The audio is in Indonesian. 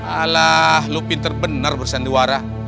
alah lu pinter benar bersandiwarah